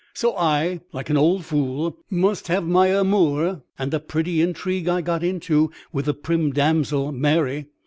So I, like an old fool, must have my amour; and a pretty intrigue I got into with the prim damsel Mary!